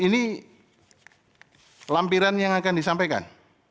ini lampiran yang akan disampaikan